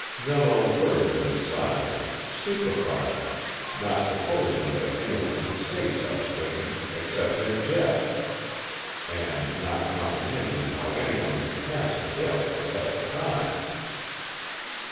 Nello heard him in silence, stupefied, not supposing that any one could say such things except in jest, and not comprehending how any one could pass a jest at such a time.